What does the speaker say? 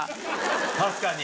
確かに。